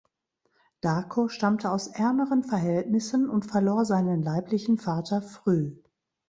Darko stammte aus ärmeren Verhältnissen und verlor seinen leiblichen Vater früh.